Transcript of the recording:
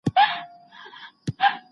کتاب واخله.